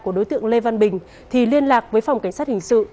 của đối tượng lê văn bình thì liên lạc với phòng cảnh sát hình sự